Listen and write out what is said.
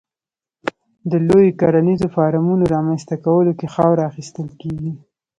د لویو کرنیزو فارمونو رامنځته کولو کې خاوره اخیستل کېږي.